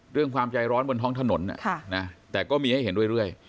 ความใจร้อนบนท้องถนนแต่ก็มีให้เห็นเรื่อย